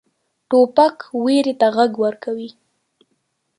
توپک ویرې ته غږ ورکوي.